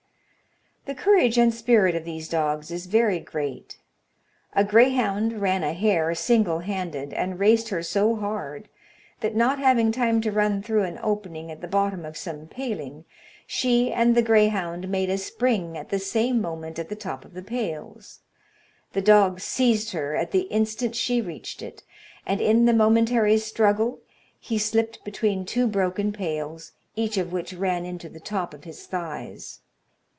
The courage and spirit of these dogs is very great. A greyhound ran a hare single handed and raced her so hard, that, not having time to run through an opening at the bottom of some paling, she and the greyhound made a spring at the same moment at the top of the pales. The dog seized her at the instant she reached it, and in the momentary struggle he slipt between two broken pales, each of which ran into the top of his thighs.